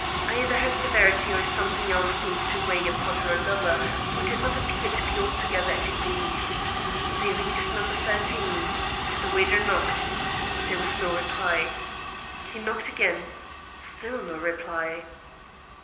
Either her severity or something else seemed to weigh upon her lover, who did not appear to be altogether at his ease. They reached No. 13. The waiter knocked. There was no reply. He knocked again; still no reply.